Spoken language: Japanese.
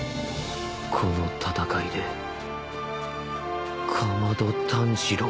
この戦いで竈門炭治郎が。